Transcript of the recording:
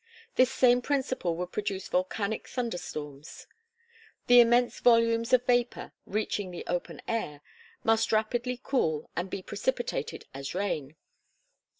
This same principle would produce volcanic thunder storms. The immense volumes of vapor, reaching the open air, must rapidly cool and be precipitated as rain.